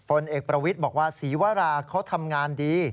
เอกประวิทย์บอกว่าศรีวราเขาทำงานดี